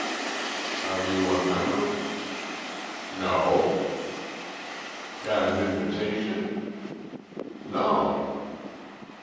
"Are you a member?" "No." "Got an invitation?" "No."